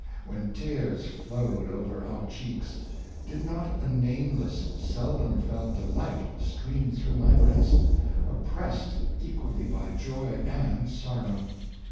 When tears flowed over our cheeks, did not a narrieless, sel dom felt delight stream through my breast, oppressed equally by joy and sorrow!"